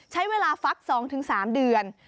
ใช้เวลาฟัก๒๓เดือน